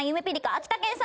秋田県産